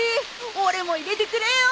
俺も入れてくれよ。